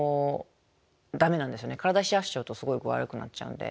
体冷やしちゃうとすごい具合悪くなっちゃうんで。